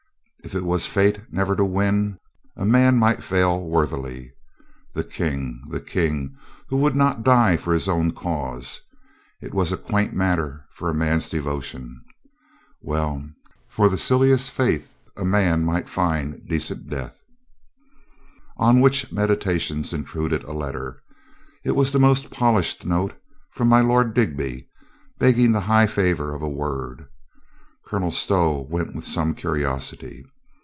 If it was fate never to win, a man might fail worthily. The King — the King who would not die for his own cause — it was quaint matter for a man's devotion. Well. For the silliest faith a man might find de cent death. On which meditations intruded a letter. It was 346 COLONEL GREATHEART the most polished note from my Lord Digby, beg ging the high favor of a word. Colonel Stow went with some curiosity.